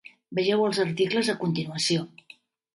Vegeu els articles a continuació.